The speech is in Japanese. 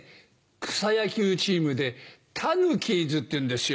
草野球チームでタヌキーズっていうんですよ。